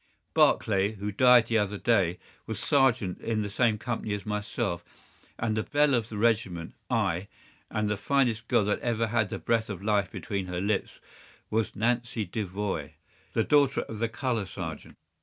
Barclay, who died the other day, was sergeant in the same company as myself, and the belle of the regiment, ay, and the finest girl that ever had the breath of life between her lips, was Nancy Devoy, the daughter of the colour sergeant.